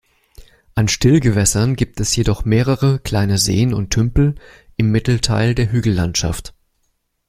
An Stillgewässern gibt es jedoch mehrere kleine Seen und Tümpel im Mittelteil der Hügellandschaft.